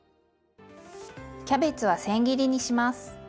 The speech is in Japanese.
キャベツはせん切りにします。